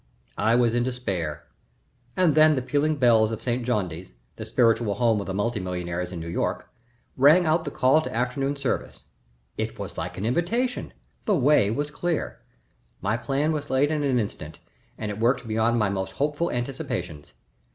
I was in despair, and then the pealing bells of St. Jondy's, the spiritual home of the multi millionaires of New York, rang out the call to afternoon service. It was like an invitation the way was clear. My plan was laid in an instant, and it worked beyond my most hopeful anticipations.